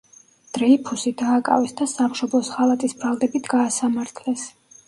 დრეიფუსი დააკავეს და სამშობლოს ღალატის ბრალდებით გაასამართლეს.